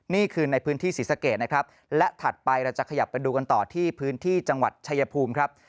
นี่คือในพื้นที่ศรีสะเกดนะครับและถัดไปเราจะขยับไปดูกันต่อที่พื้นที่จังหวัดชายภูมิครับ